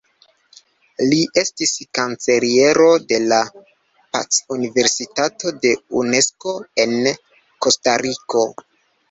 Li estis kanceliero de la "Pac-Universitato" de Unesko en Kostariko.